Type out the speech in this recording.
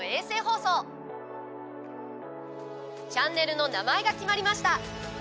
チャンネルの名前が決まりました。